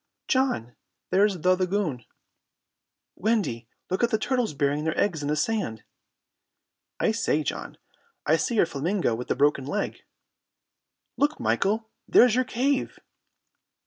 "John, there's the lagoon." "Wendy, look at the turtles burying their eggs in the sand." "I say, John, I see your flamingo with the broken leg!" "Look, Michael, there's your cave!"